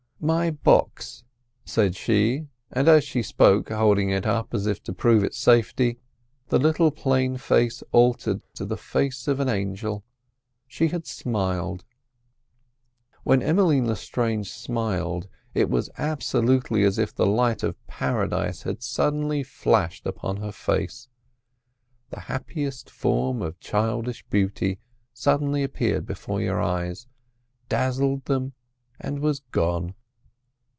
"My box," said she; and as she spoke, holding it up as if to prove its safety, the little plain face altered to the face of an angel. She had smiled. When Emmeline Lestrange smiled it was absolutely as if the light of Paradise had suddenly flashed upon her face: the happiest form of childish beauty suddenly appeared before your eyes, dazzled them—and was gone.